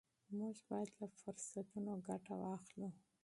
موږ باید له فرصتونو ګټه واخلو.